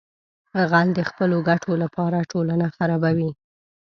غل د خپلو ګټو لپاره ټولنه خرابوي